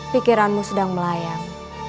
pikiranmu sedang melayang